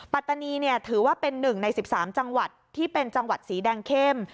ปัตตานีถือว่าเป็น๑ใน๑๓จังหวัดที่เป็นจังหวัดสีแดงเข้ม